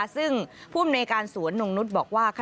ซึ่งผู้อำนวยการสวนนงนุษย์บอกว่า